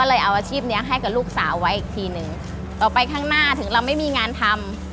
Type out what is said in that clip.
เลยเอาอาชีพเนี้ยให้กับลูกสาวไว้อีกทีหนึ่งต่อไปข้างหน้าถึงเราไม่มีงานทำ